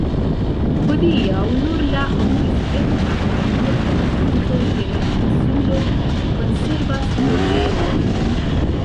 Hodiaŭ, nur la okcidenta kaj norda pintoj de la insulo konservas loĝejojn.